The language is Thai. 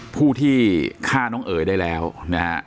ผู้ที่ฆ่าน้องเอ๋ยได้แล้วนะฮะ